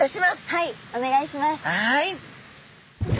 はい！